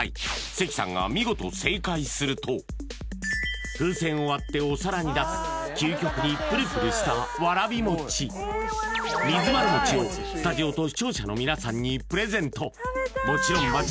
関さんが見事風船を割ってお皿に出す究極にプルプルしたわらび餅水まる餅をスタジオと視聴者の皆さんにプレゼント